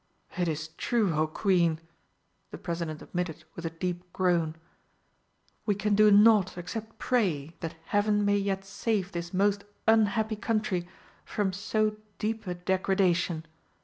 "It is true, O Queen!" the President admitted with a deep groan. "We can do naught except pray that Heaven may yet save this most unhappy Country from so deep a degradation!"